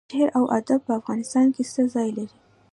شعر او ادب په افغانستان کې څه ځای لري؟